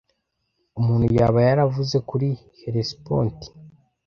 umuntu yaba yaravuze kuri hellespont